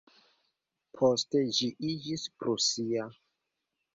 Poste ĝi iĝis prusia.